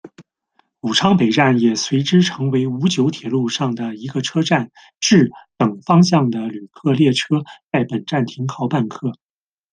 武昌北站也随之成为武九铁路上的一个车站，至、等方向的旅客列车在本站停靠办客。